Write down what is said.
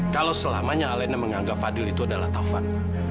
kalau selamanya alena menganggap fadil itu adalah taufan